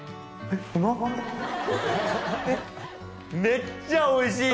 めっちゃおいしい！